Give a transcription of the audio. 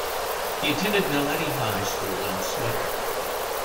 He attended Naledi High School in Soweto.